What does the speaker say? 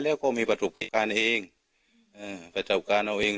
แล้วท่านผู้ชมครับบอกว่าตามความเชื่อขายใต้ตัวนะครับ